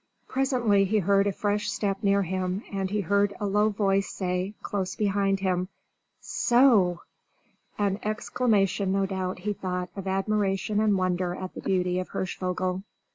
Presently he heard a fresh step near him, and he heard a low voice say, close behind him, "So!" An exclamation no doubt, he thought, of admiration and wonder at the beauty of Hirschvogel.